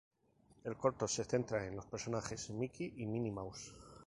El corto se centra en los personajes Mickey y Minnie Mouse.